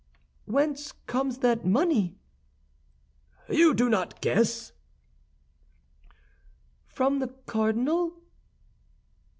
"Whence comes that money?" "You do not guess?" "From the cardinal?"